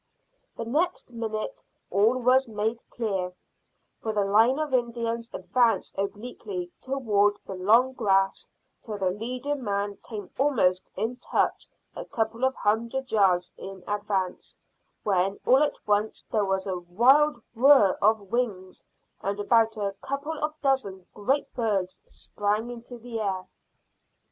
The next minute all was made clear, for the line of Indians advanced obliquely towards the long grass till the leading man came almost in touch a couple of hundred yards in advance, when all at once there was the wild whirr of wings, and about a couple of dozen great birds sprang into the air.